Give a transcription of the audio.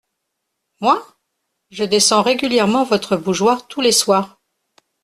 Moi ? je descends régulièrement votre bougeoir tous les soirs.